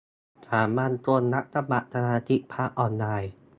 สามัญชน รับสมัครสมาชิกพรรคออนไลน์